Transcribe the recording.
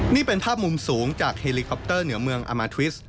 นี่เป็นภาพมุมสูงจากเฮลิคอปเตอร์เหนือเมืองอามาทริส